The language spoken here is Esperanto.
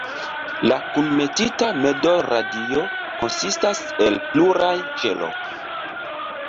La "kunmetita medolradio"konsistas el pluraj ĉelo.